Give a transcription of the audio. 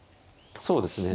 そうですね。